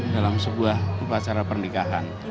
dalam sebuah upacara pernikahan